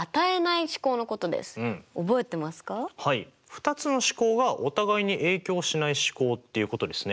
２つの試行がお互いに影響しない試行っていうことですね。